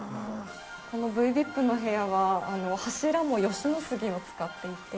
このＶＩＰの部屋は柱も吉野杉を使っていて。